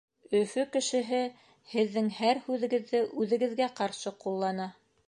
Өфө кешеһе һеҙҙең һәр һүҙегеҙҙе үҙегеҙгә ҡаршы ҡуллана.